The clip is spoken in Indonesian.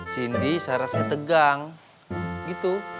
cindy sarafnya tegang gitu